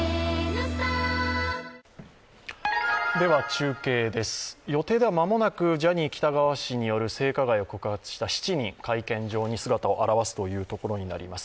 中継です、予定では間もなくジャニー喜多川氏による性加害を告発した７人、会見場に姿を現すところになります。